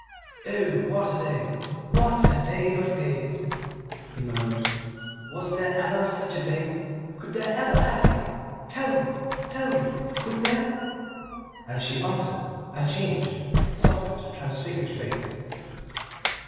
"Oh, what a day what a day of days!" he murmured. "Was there ever such a day? Could there ever have been? Tell me tell me! Could there?" And she answered, turning aside a changed, softened, transfigured face.